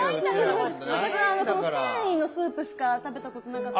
私はこの線維のスープしか食べたことなかった。